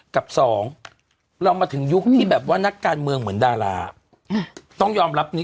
กับสองเรามาถึงยุคที่แบบว่านักการเมืองเหมือนดาราต้องยอมรับนี้